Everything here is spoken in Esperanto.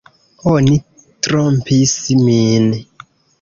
Oni trompis min!